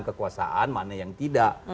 kekuasaan mana yang tidak